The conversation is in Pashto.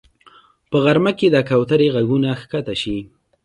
په غرمه کې د کوترې غږونه ښکته شي